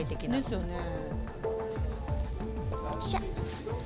よっしゃ。